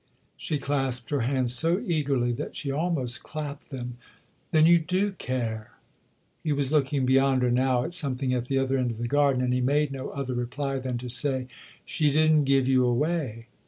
She clasped her hands so eagerly that she almost clapped them. " Then you do care ?" He was looking beyond her now at something at the other end of the garden ; and he made no other reply than to say :" She didn't give you away."